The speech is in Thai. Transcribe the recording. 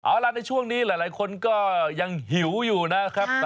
เอาล่ะในช่วงนี้หลายคนก็ยังหิวอยู่นะครับ